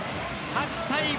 ８対５。